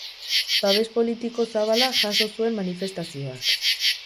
Babes politiko zabala jaso zuen manifestazioak.